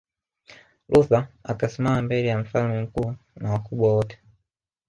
Luther akasimama mbele ya Mfalme mkuu na wakubwa wote